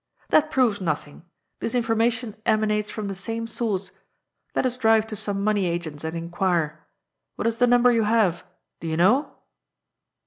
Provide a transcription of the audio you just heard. "That proves nothing. This information emanates from the same sonrce. Let us drive to some money agents and inquire. What is the number you have? Do you know